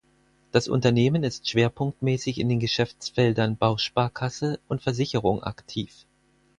Das Unternehmen ist schwerpunktmäßig in den Geschäftsfeldern Bausparkasse und Versicherung aktiv.